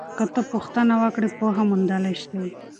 که ته پوښتنه وکړې پوهه موندلی سې.